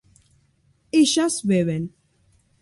ellas beben